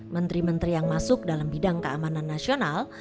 menteri menteri yang masuk dalam bidang keamanan nasional